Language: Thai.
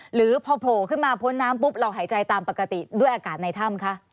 หรือพอโผล่ขึ้นมาพ้นน้ำปุ๊บเราหายใจตามปกติด้วยอากาศในถ้ำคะ